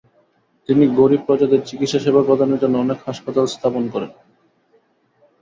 তিনি গরীব প্রজাদের চিকিৎসা সেবা প্রদানের জন্য অনেক হাসপাতাল স্থাপন করেন।